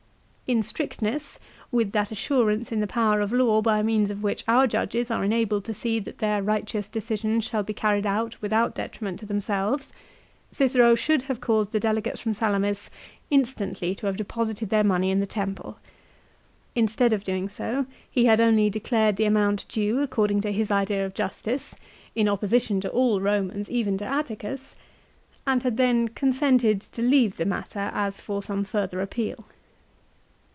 In strictness, with that assurance in the power of law by means of which our judges are enabled to see that their righteous decisions shall be carried out without detriment to themselves, Cicero should have caused the delegates from Salamis instantly to have deposited their money in the temple. Instead of doing so he had only declared the amount due according to his idea of justice, in opposition to all Eomans, even to Atticus, and had then consented to leave the matter, as for some further appeal.